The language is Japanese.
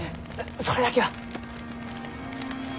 それだけは。